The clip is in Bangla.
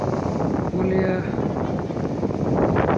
বলিয়া গোরার মুখের দিকে চাহিল।